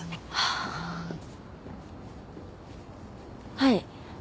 はい。